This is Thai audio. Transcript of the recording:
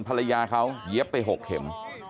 ภรรยาเขาเย็บไป๖เข็ม